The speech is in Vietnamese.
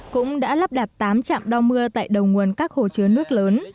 cũng đã lắp đặt tám trạm đo mưa tại đầu nguồn các hồ chứa nước lớn